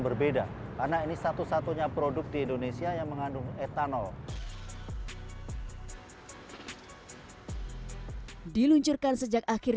berbeda karena ini satu satunya produk di indonesia yang mengandung etanol diluncurkan sejak akhir